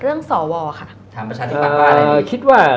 เรื่องสอวอค่ะ